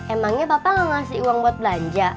emangnya papa enggak ngasih uang buat belanja